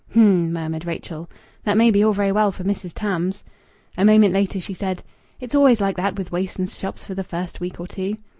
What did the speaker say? "Hm!" murmured Rachel. "That may be all very well for Mrs. Tams...." A moment later she said "It's always like that with Wason's shops for the first week or two!"